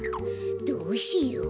どうしよう？